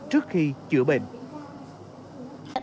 trước khi chữa bệnh